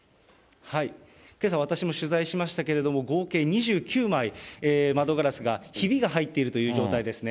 けさ、私も取材しましたけれども、合計２９枚、窓ガラスが、ひびが入っているという状態ですね。